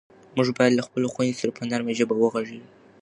موږ باید له خپلو خویندو سره په نرمه ژبه غږېږو.